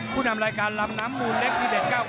ผู้นำรายการลำน้ำมูลเล็กทีเด็ด๙๙